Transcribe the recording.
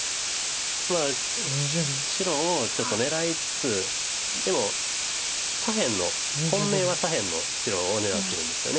白をちょっと狙いつつでも左辺の本命は左辺の白を狙ってるんですよね。